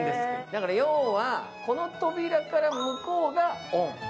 だから要は、この扉から向こうがオン。